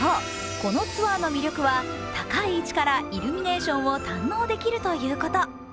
このツアーの魅力は高い位置からイルミネーションを堪能できるということ。